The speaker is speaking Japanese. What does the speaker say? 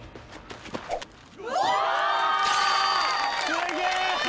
すげえ！